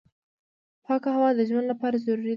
پاکه هوا د ژوند لپاره ضروري ده.